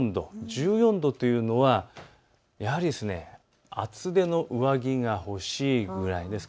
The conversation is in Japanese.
１４度というのは厚手の上着が欲しいぐらいです。